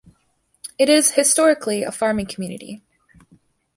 It is historically a farming community.